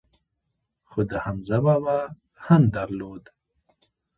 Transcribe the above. خو ده حمزه بابا هم درلود.